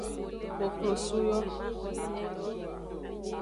Koklosu yo.